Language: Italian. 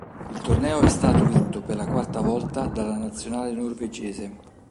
Il torneo è stato vinto per la quarta volta dalla nazionale norvegese.